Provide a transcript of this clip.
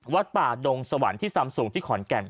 วัดป่าดงสวรรค์ที่ซำสูงที่ขอนแก่น